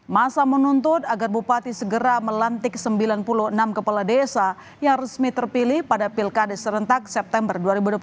masa menuntut agar bupati segera melantik sembilan puluh enam kepala desa yang resmi terpilih pada pilkada serentak september dua ribu delapan belas